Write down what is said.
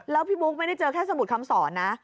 แล้วพี่บุ๊กไม่ได้เจอแค่สมุดคำสอนนะ